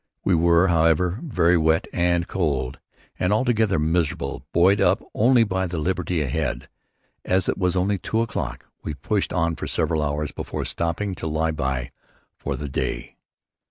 We were, however, very wet and cold and altogether miserable, buoyed up only by the liberty ahead. As it was only two o'clock, we pushed on for several hours before stopping to lie by for the day.